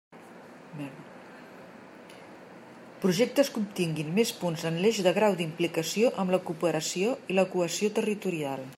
Projectes que obtinguin més punts en l'eix de grau d'implicació amb la cooperació i la cohesió territorial.